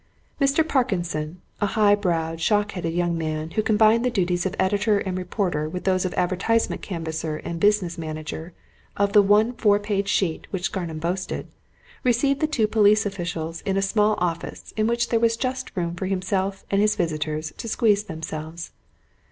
Mr. Parkinson, a high browed, shock headed young man, who combined the duties of editor and reporter with those of advertisement canvasser and business manager of the one four page sheet which Scarnham boasted, received the two police officials in a small office in which there was just room for himself and his visitors to squeeze themselves.